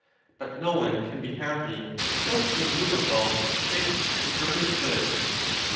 But no one can be happy with out an immovable, fixed, and permanent good.